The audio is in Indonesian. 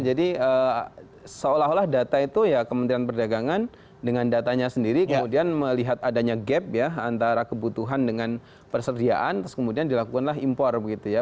jadi seolah olah data itu ya kementerian perdagangan dengan datanya sendiri kemudian melihat adanya gap ya antara kebutuhan dengan persediaan terus kemudian dilakukanlah impor gitu ya